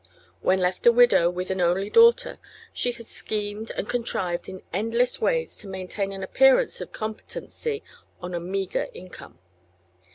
When left a widow with an only daughter she had schemed and contrived in endless ways to maintain an appearance of competency on a meager income.